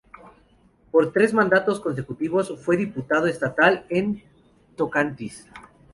Por tres mandatos consecutivos fue diputado estatal en Tocantins.